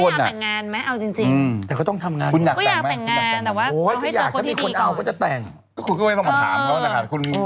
จริงผู้หญิงทุกคนก็อยากแต่งงานไหมเอาจริง